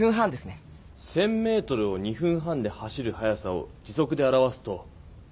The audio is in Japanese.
１０００メートルを２分半で走る速さを時速で表すと。